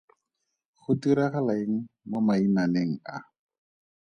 Go diragala eng mo mainaneng a?